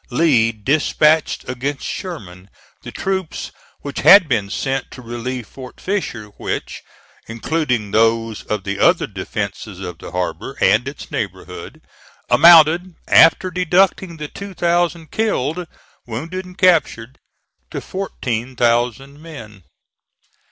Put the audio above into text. Lee dispatched against Sherman the troops which had been sent to relieve Fort Fisher, which, including those of the other defences of the harbor and its neighborhood, amounted, after deducting the two thousand killed, wounded and captured, to fourteen thousand men.